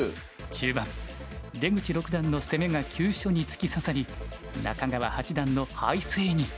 中盤出口六段の攻めが急所に突き刺さり中川八段の敗勢に。